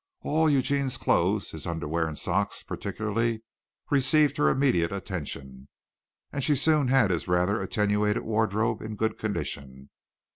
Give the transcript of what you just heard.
All Eugene's clothes, his underwear and socks particularly, received her immediate attention, and she soon had his rather attenuated wardrobe in good condition.